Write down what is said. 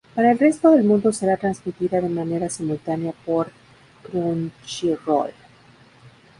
Para el resto del mundo será transmitida de manera simultánea por Crunchyroll.